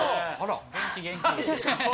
行きましょう。